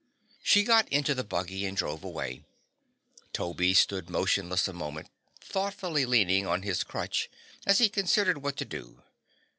She got into the buggy and drove away. Toby stood motionless a moment, thoughtfully leaning on his crutch as he considered what to do.